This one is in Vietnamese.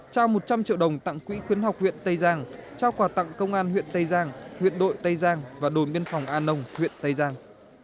trao một trăm linh triệu đồng tặng quỹ khuyến học huyện tây giang trao quà tặng công an huyện tây giang huyện đội tây giang và đồn biên phòng an nông huyện tây giang